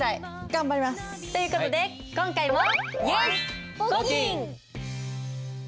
頑張ります！という事で今回も。